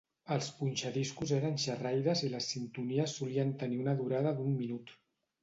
Els punxadiscos eren xerraires i les sintonies solien tenir una durada d"un minut.